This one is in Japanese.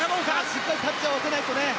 しっかりタッチを合わせないと。